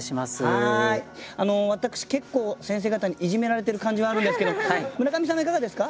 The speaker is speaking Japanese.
私結構先生方にいじめられてる感じはあるんですけど村上さんはいかがですか？